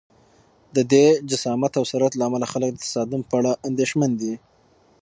د دې جسامت او سرعت له امله خلک د تصادم په اړه اندېښمن دي.